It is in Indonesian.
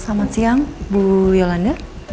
selamat siang bu yolanda